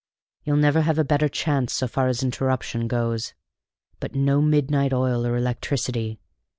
You'll never have a better chance so far as interruption goes. But no midnight oil or electricity!